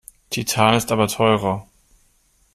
Titan ist aber teurer.